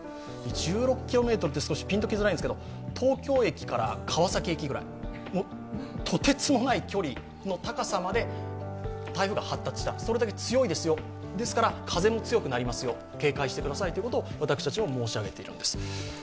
１６ｋｍって少しピンときづらいんですけど東京駅から川崎駅くらい、とてつもない距離の高さまで台風が発達した、それだけ強いですよ、ですから、風も強くなりますよ、警戒してくださいよということを私たちは申し上げているんです。